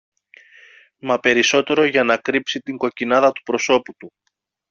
μα περισσότερο για να κρύψει την κοκκινάδα του προσώπου του.